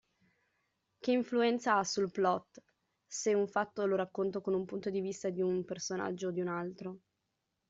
Che influenza ha sul plot se un fatto lo racconto con un punto di vista di un personaggio o di un altro?